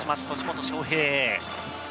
栃本翔平。